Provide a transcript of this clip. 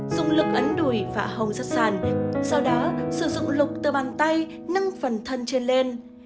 dùng lực ấn đùi và hồng rất sàn sau đó sử dụng lục từ bàn tay nâng phần thân trên lên